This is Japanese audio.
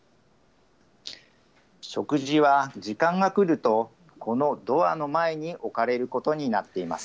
食事は時間が来ると、このドアの前に置かれることになっています。